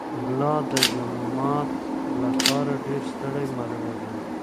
ملا د جومات له کاره ډېر ستړی معلومېده.